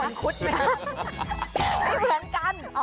ไม่เหมือนกัน